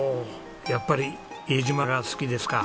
やっぱり伊江島が好きですか？